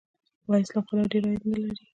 آیا اسلام قلعه ډیر عاید لري؟